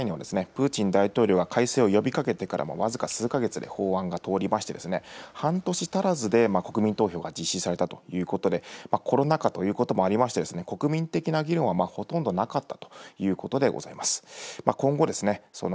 ２０２０年の憲法改正の際には、プーチン大統領が改正を呼びかけてから僅か数か月で法案が通りまして、半年足らずで、国民投票が実施されたということで、コロナ禍ということもありまして、国民的な議論はほとんどなかったということでございます。